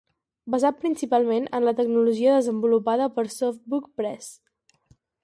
"basat principalment en la tecnologia desenvolupada per SoftBook Press".